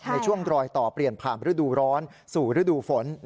ในช่วงรอยต่อเปลี่ยนผ่านฤดูร้อนสู่ฤดูฝน